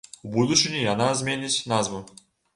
У будучыні яна зменіць назву.